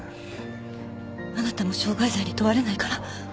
あなたも傷害罪に問われないから。